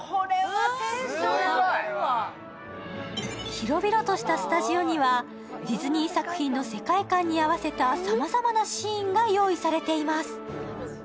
広々としたスタジオにはディズニー作品の世界観に合わせたさまざまなシーンが用意されています。